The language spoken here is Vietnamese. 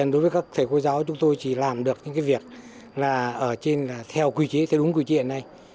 đối với các thầy cô giáo chúng tôi chỉ làm được những việc theo đúng quy chế hiện nay